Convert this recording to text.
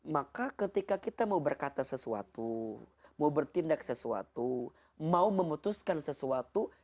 maka ketika kita mau berkata sesuatu mau bertindak sesuatu mau memutuskan sesuatu